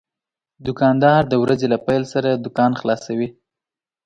دوکاندار د ورځې له پېل سره دوکان خلاصوي.